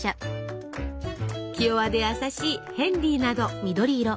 気弱で優しい「ヘンリー」など。